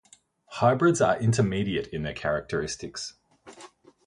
Hybrids are intermediate in their characteristics.